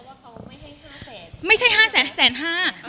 อันนี้เราไม่ได้โกรธเขาเพราะว่าเขาไม่ให้ห้าแสน